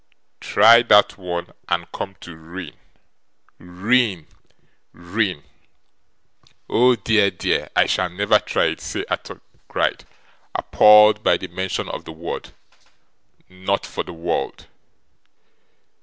Try that once, and come to ruin ruin ruin!' 'Oh dear, dear, I shall never try it,' said Arthur Gride, appalled by the mention of the word, 'not for the world.